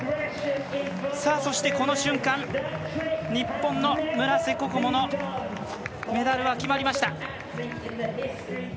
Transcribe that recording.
そして、この瞬間、日本の村瀬心椛のメダルは決まりました。